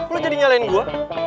lo jadi nyalain gue